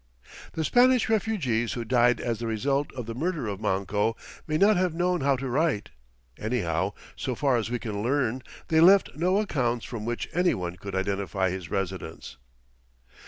The Spanish refugees who died as the result of the murder of Manco may not have known how to write. Anyhow, so far as we can learn they left no accounts from which any one could identify his residence.